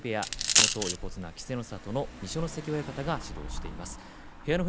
元横綱稀勢の里の二所ノ関親方が指導しています。